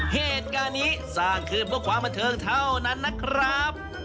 เหตุการณ์นี้สร้างขึ้นเพื่อความบันเทิงเท่านั้นนะครับ